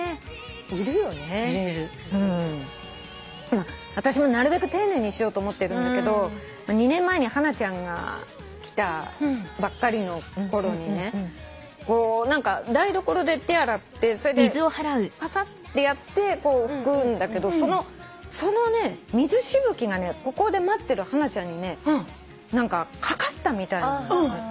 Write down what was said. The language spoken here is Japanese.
まあ私もなるべく丁寧にしようと思ってるんだけど２年前にハナちゃんが来たばっかりのころにねこう何か台所で手洗ってそれでパサってやって拭くんだけどその水しぶきがここで待ってるハナちゃんにかかったみたいなんだよね。